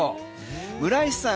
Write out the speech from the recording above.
村石さん